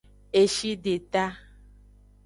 Eshideta.